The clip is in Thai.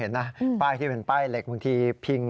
สภาพที่เห็นนี่เลย